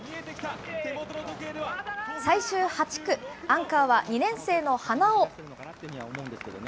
最終８区、アンカーは２年生の花尾。